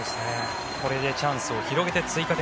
これでチャンスを広げ追加点。